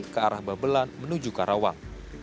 ke arah babelan menuju karawang